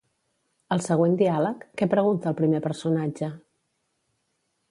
Al següent diàleg, què pregunta el primer personatge?